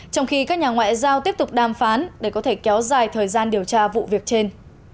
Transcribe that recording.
trong khi các nhà ngoại giao tiếp tục đàm phán để có thể kéo dài thời gian điều tra vụ việc trên